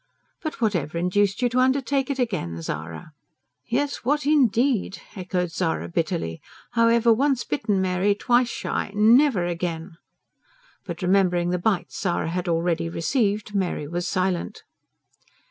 "But what ever induced you to undertake it again, Zara?" "Yes, what indeed!" echoed Zara bitterly. "However, once bitten, Mary, twice shy. NEVER again!" But remembering the bites Zara had already received, Mary was silent.